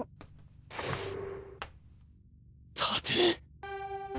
立て！